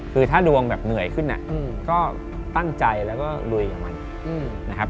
คือถ้าดวงเหนื่อยขึ้นก็ตั้งใจแล้วก็ลุยกับมัน